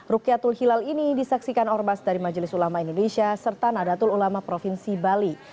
rukyatul hilal ini disaksikan orbas dari majelis ulama indonesia serta nadatul ulama provinsi bali